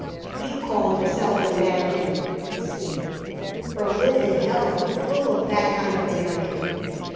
"You call yourself an American!" he sneered; "Berlin and hell are full of that kind of American.